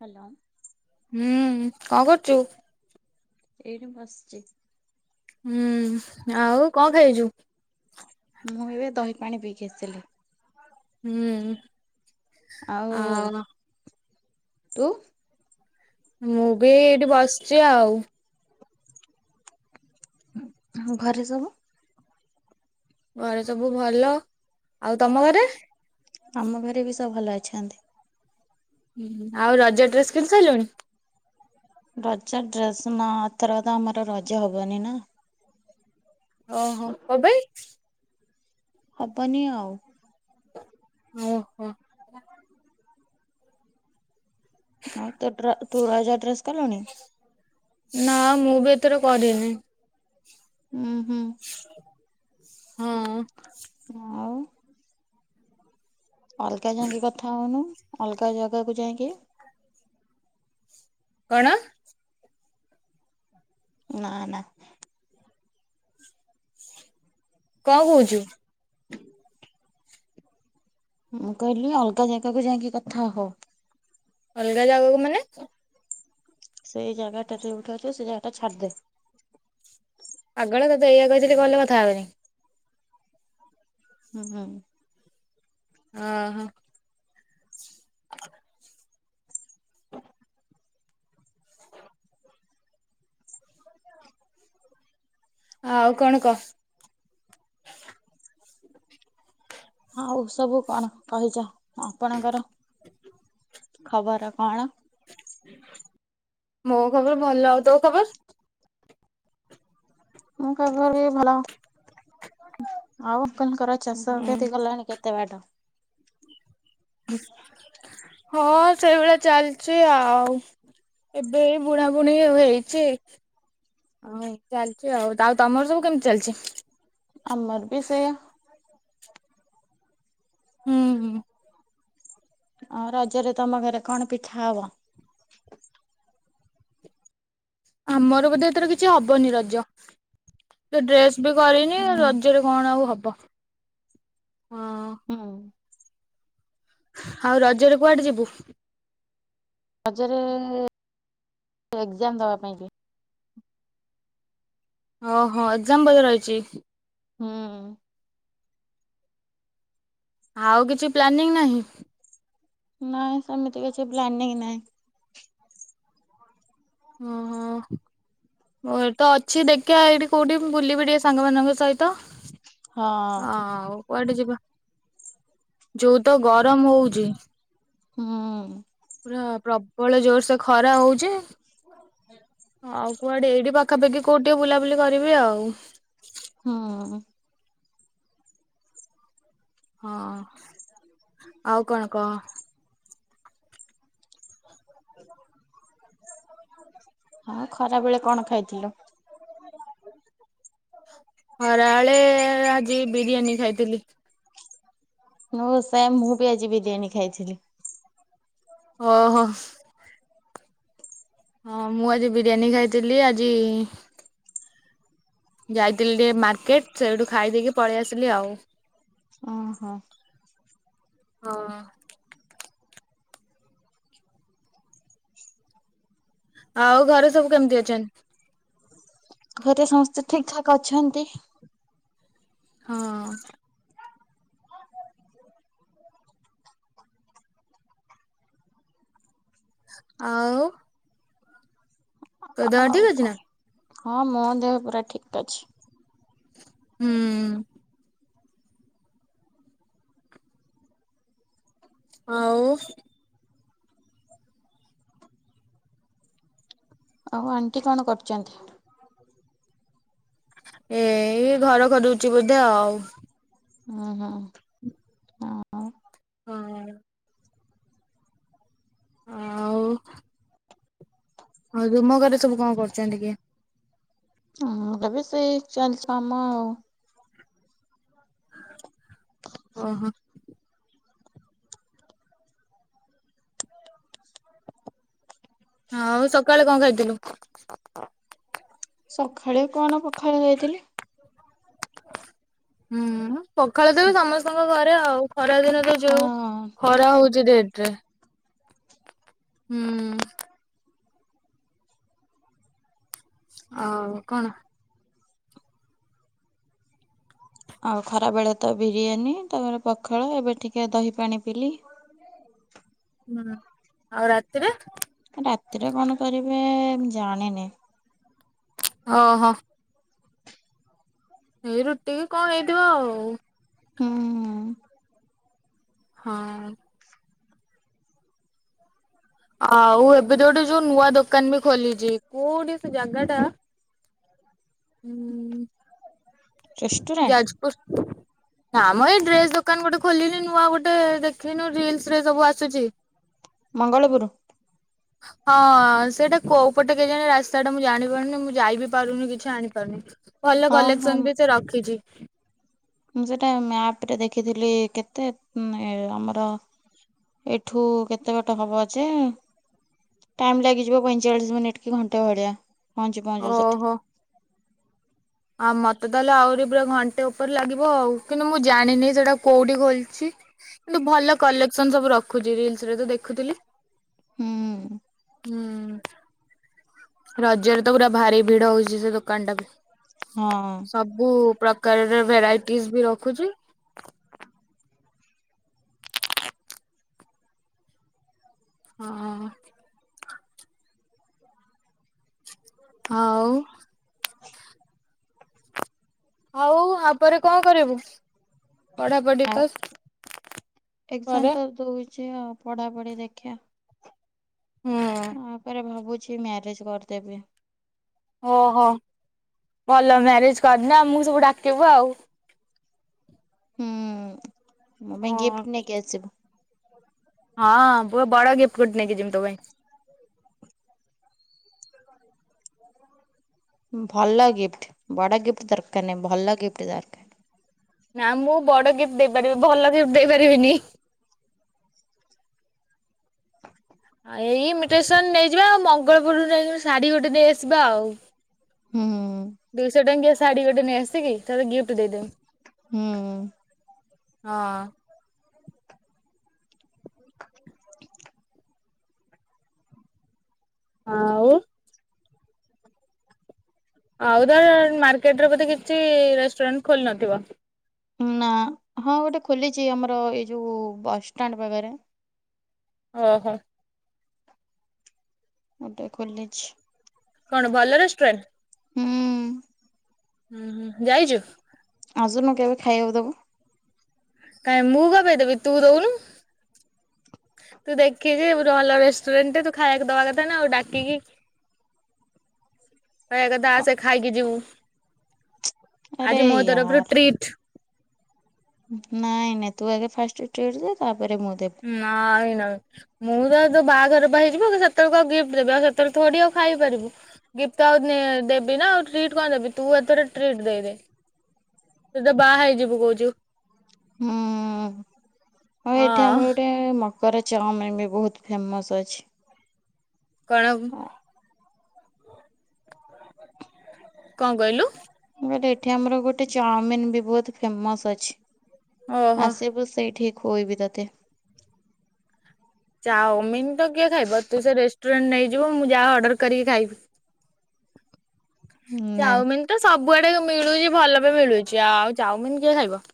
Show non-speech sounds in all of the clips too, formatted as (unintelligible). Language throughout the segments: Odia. ହ୍ୟାଲୋ। ହୁଁ କଣ କରୁଛୁ? ଏଇଠି ବସିଛି। ହୁଁ ଆଉ କଣ ଖାଇଛୁ? ମୁଁ ଏବେ ଦହି ପାଣି ପିଇକି ଆସିଲି। ହୁଁ। ଆଉ ତୁ। ମୁଁ ବି ଏଇଠି ବସିଛି ଆଉ। ଆଉ ଘରେ ସବୁ। ଘରେ ସବୁ ଭଲ ଆଉ ତମ ଘରେ! ଆମ ଘରେ ବି ଭଲ ଅଛନ୍ତି। ଆଉ ରଜ ଡ୍ରେସ କିଣିି ସାରିଲୁଣି। ରଜ ଡ୍ରେସ ନାଏଥର ତ ଆମର ରଜ ହବନି ନା। ଓହୋ କଣ ପାଇଁ? ହବନି ଆଉ। ଓହୋ। ଆଉ ତୋ ଡ୍ର ତୁ ରଜ ଡ୍ରେସ କଲୁଣି। ନା ମୁଁ ବି ଏଥର କରିନି। ହୁଁ ହୁଁ। ହଁ। ଆଉ? ଅଲଗା ଯାଇଁକି କଥା ହଉନୁ, ଅଲଗା ଜାଗାକୁ ଯାଇଁକି। କଣ? ନାଁ ନାଁ। କଣ କହୁଚୁ? ହୁଁ। ମୁଁ କହିଲି ଅଲଗା ଜାଗାକୁ ଯାଇଁକି କଥା ହ। ଅଲଗା ଜାଗାକୁ ମାନେ? ସେଇ ଜାଗାଟା ଯେଉଠୁ ଅଛୁ, ସେ ଜାଗାଟା ଛାଡ଼ି ଦେ। ପାଗଳ ତୋତେ ଏଇଆ କହି ଥିଲି କଲ୍ ରେ କଥା ହେବା ପାଇଁ। ହୁଁ ହୁଁ। ଅ, ହଁ। (inaudible) ଆଉ କଣ କ? ହଉ ସବୁ କଣ କହିଜା ଆପଣଙ୍କର, ଖବର କଣ? ମୋ ଖବର ଭଲ ଆଉ ତୋ ଖବର୍? ମୋ ଖବର ବି ଭଲ, ଆଉ କନ୍ କର ଚାଷ କ୍ଷତି କଲାଣି କେତେ ବାଟ? ବି (unintelligible) ହଁ, ସେଇ ଭଳିଆ ଚାଲଚି ଆଉ। ଏବେ ଏଇ ବୁଣା ବୁଣି ଆଉ ହେଇଛି। ହଉ ଚାଲିଚି ଆଉ, ଆଉ ତମର ସବୁ କେମିତି ଚାଲିଚି? ଆମର ବି ସେୟା। ହୁଁ (inaudible) ଆ ରଜରେ ତମ ଘରେ କଣ ପିଠା ହବ? ଆମର ବୋଧେ ଏଥର କିଛି ହବନି ରଜ, ତ ଡ୍ରେସ୍ ବି କରିନି ହୁଁ ରଜରେ, କଣ ଆଉ ହବ, ହଁ। ହୁଁ ଆଉ ରଜରେ କୁଆଡ଼େ ଯିବୁ? ରଜରେ, ଏକ୍ଜାମ୍ ଦବା ପାଇଁ ଯିବି। ଅ ହଁ ଏକ୍ଜାମ୍ ବଧେ ରହିଚି? ହୁଁ। ଆଉ କିଛି ପ୍ଲାନିଂ ନାହିଁ? ନାଇଁ ସେମିତି କିଛି ପ୍ଲାନିଂ ନାହିଁ। ଅହଂ। ଓ, ଏତ ଅଛି ଦେଖିବା ଏଇଠି କୋଉଠି ବୁଲିବି ଟିକେ ସାଙ୍ଗମାନଙ୍କ ସହିତ। ହଁ ଆଉ କୁଆଡ଼େ ଯିବା? ଯୋଉ ତ ଗରମ ହଉଚି ହୁଁ। ପୁରା ପ୍ରବଳ ଜୋର୍ ସେ ଖରା ହଉଚି। ଆଉ କୁଆଡ଼େ ଏଇଠି ପାଖାପାଖି କୋଉଟି ଟିକେ ବୁଲାବୁଲି କରିବି ଆଉ। ହୁଁ। ହଁ ଆଉ କଣ କହ? ହଁ ଖରା ବେଳେ କଣ ଖାଇଥିଲୁ? ଖରାଳେ ଆଜି ବିରିୟାନୀ ଖାଇଥିଲି। ନୋ ସେମ୍ ମୁଁ ବି ଆଜି ବିରିୟାନୀ ଖାଇଥିଲି। ଅ ହ। ହଁ ମୁଁ ଆଜି ବିରିୟାନୀ ଖାଇଥିଲି। ଆଜି ଯାଇଥିଲି ଟିକେ ମାର୍କେଟ୍ ସେଇଠୁ ଖାଇଦେଇକି ପଳେଇ ଆସିଲି ଆଉ। ଅ ହଁ। ହଁ। ଆଉ ଘରେ ସବୁ କେମିତି ଅଛନ୍ତି? ଘରେ ସମସ୍ତେ ଠିକ୍ ଠାକ୍ ଅଛନ୍ତି। ହଁ। ଆଉ। ତୋ ଦେହ ଆଉ ଠିକ ଅଛି କ ନା? ହଁ ମୋହ ଦେହ ପୁରା ଠିକ ଅଛି। ହୁଁ। ଆଉ। ଆଉ ଆଣ୍ଟି କଣ କରୁଚନ୍ତି? ଏ ଘର ଖରୁଚି ବୋଧେ ଆଉ। ଅହ ଆଉ କଣ? କଣ ଏ? ହଉ ତୁମୋ ଘରେ ସବୁ କଣ କରୁଛନ୍ତି କିଏ? ହଁ ଏବେ ସେଇ ଚାଲିଛ ଆମ ଆଉ। ଓହୋ। (unintelligible) ଆଉ ସକାଳେ କଣ ଖାଇଥିଲୁ? ସଖାଳେ କଣ ପଖାଳ ହେଇଥିଲା। ହୁଁ ପଖାଳ ତ ସମସ୍ତଙ୍କ ଘରେ ଆଉ। ଖରା ଦିନ ତ ହଁ। ଯୋଉ ଖରା ହଉଛି ଡେଟ ରେ। ହୁଁ। ଆଉ କଣ? ଆଉ ଖରା ବେଳେ ତ ବିରିୟାନୀ ତାପରେ ପଖାଳ ଏବେ ଟିକେ ଦହି ପାଣି ପିଲି। ହୁଁ ଆଉ ରାତି ରେ? ରାତିରେ କଣ କରିବେ ଜାଣିନି। ହଁ-ହଁ ଏଇ ରୁଟି କଣ ହେଇଥିବ ଆଉ। ହୁଁ। ହଁ। ଆଉ ଏବେ ଯୋଉଠି ଯୋଉ ନୂଆ ଦୋକାନ ବି ଖୋଲିଛି କୋଉଠି ସେ ଜାଗା ଟା (unintelligible) ହିଁ ରେଷ୍ଟୁରାଣ୍ଟ ଯାଜପୁର। ନା ମ ଏ ଡ୍ରେସ ଦୋକାନ ଗୋଟେ ଖୋଲିିଚି ନୂଆ ଗୋଟେ ଦେଖିନୁ ରିଲସ୍ ରେ ସବୁ ଆସୁଛି। ମଙ୍ଗଳପରୁ। ହଁ ସେଇଟା କୋଉ ପଟେ କେଜାଣି ରାସ୍ତା ଟା ମୁଁ ଜାଣିପାରୁନି ମୁଁ ଯାଇ ବିି ପାରୁନି କିଛି ଆଣିପାରୁ ନି ଭଲ ହଁ ହଁ। କଲେକ୍ସନ ବି ସେ ରଖିଛି। ମୁଁ ସେଟା ମ୍ୟାପରେ ଦେଖିଥିଲି କେତେ ଉଁଏ-ଆମର। ଏଇଠୁ କେତେ ବାଟ ହବ ଯେ? ଟାଇମ ଲାଗିଯିବ ପଇଁଚାଳିଶ ମିନିଟ୍ କି ଘଣ୍ଟେ ଭଳିଆ ପହୁଞ୍ଚୁ ପହଞ୍ଚୁ ସେଠି। ଓହୋ ଆଉ ମତେ ତାହେଲେ ଆହୁରି ପୁରା ଘଣ୍ଟେ ଉପରେ ଲାଗିବ ଆଉ କିନ୍ତୁ ମୁଁ ଜାଣିନି ସେଟା କୋଉଠି ଖୋଲିଚି? କିନ୍ତୁ ଭଲ କଲେକ୍ସନ ସବୁ ରଖୁଚି ରିଲସ ରେ ତ ଦେଖୁଥୁଲି। ହୁଁ ହୁଁ ରଜରେ ତ ପୁରା ଭାରି ଭିଡ ହଉଛି ସେ ଦୋକାନ ଟାକୁ ହଁ। ସବ ବହୁ ପ୍ରକାରର ଭେରାଇଟିଜି ବି ରଖୁଛି। ହଁ (inaudible) ଆଉ (inaudible) ଆଉ ତାପରେ କଣ କରିବୁ ପଢାପଢି ଆଉ ତସ କରେ? ଅଛି ଆଉ ପଢାପଢି ଦେଖିଆ। ହୁଁ ମୁଁ ପରେ ଭାବୁଛି ମ୍ୟାରେଜ କରିଦେବି। ଓହୋ ଭଲ ମ୍ୟାରେଜ କରନା ଆମସବୁ ଡାକିବୁ ଆଉ ହୁଁ ମୋ ପାଇଁ ହଁ ଗିଫ୍ଟ ନେଇକି ଆସିବୁ। ହଁ ଗୋ ବଡ ଗିଫ୍ଟ ଗୋଟେ ନେଇକିଯିବି ତୋପାଇଁ। ଭଲ ଗିଫ୍ଟ ବଡ ଗିଫ୍ଟ ଦରକାର ନାହିଁ ଭଲ ଗିଫ୍ଟ ଦରକାର। ନା ମୁଁ ବଡ ଗିଫ୍ଟ ଦେଇପାରିବି ଭଲ ଗିଫ୍ଟ ଦେଇପାରିବିନି। (inaudible) ଏଇ ଇମିଟେସନ ନେଇଯିବା ଆଉ ମଙ୍ଗଳପୁରୁରୁ ନେଇ ଗଣି ଶାଢୀ ଗୋଟେ ନେଇଆସିବା ଆଉ ହୁଁ ହୁଁ ଦୁଇଶହ ଟଙ୍କିଆ ଶାଢୀ ଗୋଟେ ନେଇଆସିକି ତାେତେ ଗିଫ୍ଟ ଦେଇଦେମି। ହୁଁ ହଁ। ଆଁଉ ଆଉ ଦ ମାର୍କେଟରେ ବୋଧେ କିଛି ରେଷ୍ଟୁରାଣ୍ଟ ଖୋଲିନଥିବ। ନା ହଁ ଗୋଟେ ଖୋଲିଛି ଆମର ଏଇ ଯୋଉ ବସଷ୍ଟାଣ୍ଡ ପାଖରେ ଅହ ଗୋଟେ ଖୋଲିଛି। କଣ ଭଲ ରେଷ୍ଟୁରାଣ୍ଟ? ହୁଁ। ହୁଁ ହୁଁ ଯାଇଚୁ? ଆସୁନୁ କେବେ ଖାଇଆକୁ ଦବୁ? କାଇଁ ମୁଁ କଅଁପାଇଁ ଦେବି ତୁ ଦଉନୁ ତୁ ଦେଖିକି ରଲ ରେଷ୍ଟୁରାଣ୍ଟରେ ତୁ ଖାଇଆକୁ ଦବାକଥାନା ଆଉ ଡାକିକି କହିବା କଥା ଆସେ ଖାଇକି ଯିବୁ। ଆରେ ଆଜି ମୋ ତରଫରୁ ୟାର ଟ୍ରିଟ୍। ନାଇଁ ନାଇଁ ତୁ ଆଗେ ଫାଷ୍ଟ ଟ୍ରିଟିଦେ ତାପରେ ମୁଁ ଦେବି। ନାଇଁ ନାହିଁ। ମୁଁତ ତୋ ବାହାଘରପା ହେଇଯିବ ସେତେବେଳକୁ ଆଉ ଗିଫ୍ଟ ଦେବି ଆଉ ସେତେବେଳେ ଥୋଡି ଆଉ ଖାଇପାରିବୁ। ଗିଫ୍ଟ ଆଉ ନେ ଦେବିନା ଆଉ ଟ୍ରିଟ୍ କଣ ଦେବି ତୁଏଥର ଟ୍ରିଟ୍ ଦେଇଦେ। ତୁତ ବାହା ହେଇଯିବୁ କହୁଛୁ। ହଁ ହଁ ଆଉ ଏଠି ହଁ ଆମର ଗୋଟେ ମ କରେ ଚାମିନି ବହୁତ ଫେମସ୍ ଅଛି। କଣ କି? କଣ କହିଲୁ? ମୁଁ କହିଲି ଏଠି ଆମର ଗୋଟେ ଚାଉମିନ ବି ବହୁତ ଫେମସ୍ ଅଛି। ଓହୋ ଆସିବୁ ସେଇଠି ଖୋଇବି ତୋତେ। ଚାଓମିନ ତ କିଏ ଖାଇବ ତୁ ସେ ରେଷ୍ଟୁରାଣ୍ଟ ନେଇଯିବ ମୁଁ ଯାହା ଅର୍ଡ଼ର କରିକି ଖାଇବି। ନା ଚାଉମିନ ତ ସବୁଆଡେ ମିଳୁଛି ଭଲବି ମିଳୁଛି ଆଉ ଚାଉମିିନ କିଏ ଖାଇବ।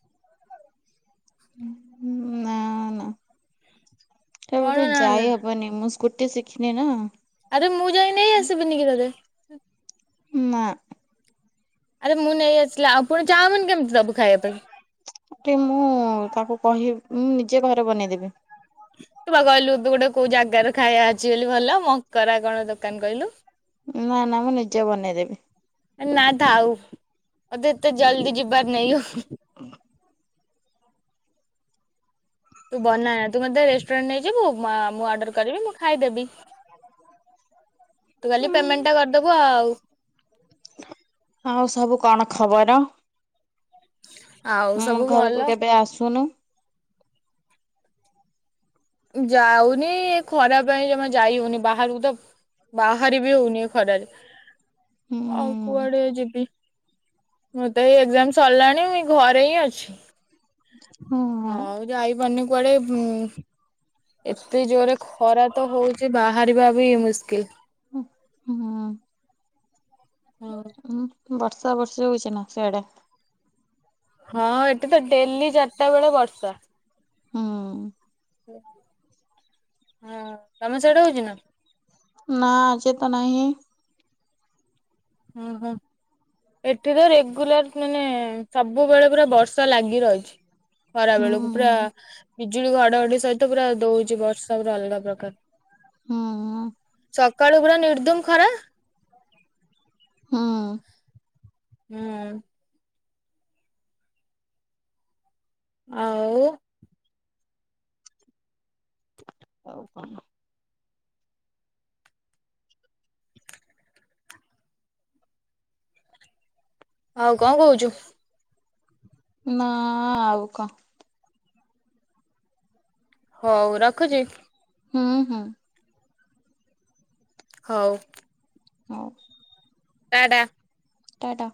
ଉଁ, ଉଁ, ନା ନା ସେଇଠୁ କଣ ତ ନା ନା ଯାଇ ହ ବନି ମୁଁ ସ୍କୁଟି ଶିଖିନିନା। ଆରେ ମୁଁ ଯାଇ ନେଇ ଆସିବିନି କି ତୋତେ। ନା। ଆରେ ମୁଁ ନେଇ ଆସିଲେ, ଆଉ ପୁଣି ଚାଉମିନ କେମିତି ଦବୁ ଖାଇବା ପାଇଁ? ଠି ମୁଁ ତାକୁ କହି ମୁଁ ନିଜେ ଘରେ ବନେଇଦେବି। ତୁ ବା କହିଲୁ ତୁ ଗୋଟେ କୋଉ ଜାଗାରେ ଖାଇବା ଅଛି ବୋଲି ଭଲ ମକରା କଣ ଦୋକାନ କହିଲୁ। ନା ନା ମୁଁ ନିଜେ ବନେଇଦେବି। ଏ ନା ଥାଉ ମୋତେ ଏତେ ଜଲଦି ଯିବାର ନାଇଁ ଲୋ। ଓ ତୁ ବନାନା ତୁ ମୋତେ ରେଷ୍ଟୁରାଣ୍ଟ ନେଇଯିବୁ ମା- ମୁଁ ଅର୍ଡର କରିବି ମୁଁ ଖାଇଦେବି। ତୁ ଖାଲି ପେମେଣ୍ଟ ଟା କରିଦବୁ ଆଉ। ଆଉ ସବୁ କଣ ଖବର? ଆଉ ମୋ ସବୁ ଭଲ ଘରକୁ କେବେ ଆସୁନୁ। ଯାଉନି ଖରା ପାଇଁ ଜମା ଯାଇ ହଉନି ବାହାରକୁ ତ ବାହାରି ବି ହଉନି ଖରାରେ ହୁଁ ଆଉ କୁଆଡେ ଯିବି। ମୋର ତ ଏଇ ଏକ୍ଜାମ୍ ସରଲାଣି ଘରେ ହିଁ ଅଛି। ହଁ ଆଉ ଯାଇ ପାରୁନି କୁଆଡେ ଉଁ,। ଏତେ ଜୋରେ ଖରା ତ ହଉଛି ବାହାରିବା ବି ମୁସ୍କିଲ୍। ଓ ହଁ, ହଁ। ହଉ। ଉଁ, ବର୍ଷା ବର୍ଷା ହଉଛି ନା ସିଆଡେ? ହଁ ଏଠି ତ ଡେଲି ଚାଟା ବେଳେ ବର୍ଷା। ହଁ। ହଁ ତୋମ ସିଆଡେ ହଉଛି ନା? ନା ଆଜି ତ ନାହିଁ। ଓ ହୋ। ଏଠି ତ ରେଗୁଲାର ମାନେ ସବୁବେଳେ ପୁରା ବର୍ଷା ଲାଗି ରହିଛି। ଖରା ବେଳକୁ ପୁରା ହୁଁ। ବିଜୁଳି ଘଡଘଡି ସହିତ ପୁରା ଦଉଛି ବର୍ଷା ପୁରା ଅଲଗା ପ୍ରକାର। ହଁ, ହଁ। ସକାଳୁ ପୁରା ନିର୍ଦ୍ଦୁମ ଖରା। ହଁ। ହଁ। ଆଉ। ଆଉ କଣ? ଆଉ କଣ କହୁଛୁ? ନା ଆଉ କଁ? ହଉ ରଖୁଛି। ହୁଁ ହୁଁ। ହଉ। ହଉ। ଟା ଟା। ଟା ଟା